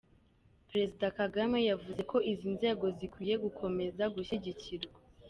Perezida Kagame yavuze ko izi nzego zikwiye gukomeza gushyigikirwa.